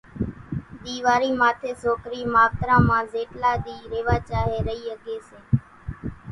ۮيوارِي ماٿي سوڪرِي ماوتران مان زيٽلا ۮِي ريوا چاھي رئِي ۿڳي سي